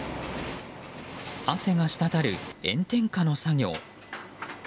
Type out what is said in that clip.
汗が滴る炎天下の作業。